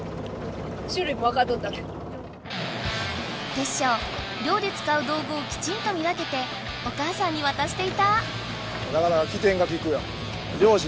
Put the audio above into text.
テッショウ漁で使うどうぐをきちんと見分けておかあさんにわたしていた！